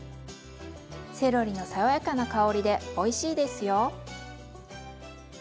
セロリの爽やかな香りでおいしいですよ。